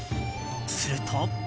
すると。